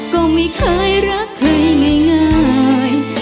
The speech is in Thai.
ก็ไม่เคยรักใครง่าย